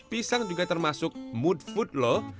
pisang juga termasuk mood food loh